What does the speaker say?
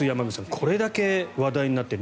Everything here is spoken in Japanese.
これだけ話題になっている。